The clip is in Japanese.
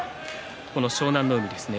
この湘南乃海ですね